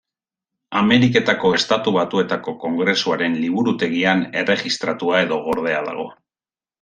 Ameriketako Estatu Batuetako Kongresuaren Liburutegian erregistratua edo gordea dago.